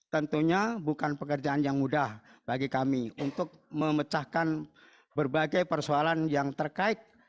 tentunya bukan pekerjaan yang mudah bagi kami untuk memecahkan berbagai persoalan yang terkait